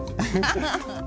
ハハハ！